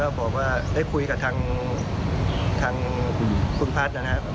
บอกว่าได้คุยกับทางคุณพัฒน์นะครับ